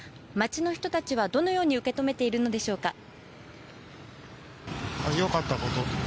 街の人たちはどのように受け止めているのでしょうか。